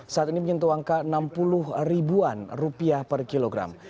saat ini menyentuh angka rp enam puluh ribuan per kilogram